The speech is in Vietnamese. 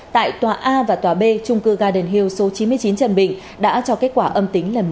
tại tòa a và tòa b trung cư garden hill số chín mươi chín trần bình đã cho kết quả âm tính lần một